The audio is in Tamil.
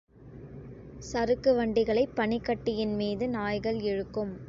சறுக்கு வண்டிகளைப் பனிக்கட்டியின் மீது நாய்கள் இழுக்கும்.